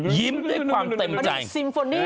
ยิ้มด้วยความเต็มใจ